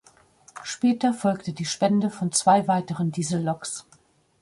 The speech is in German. Später folgte die Spende von zwei weiteren Dieselloks.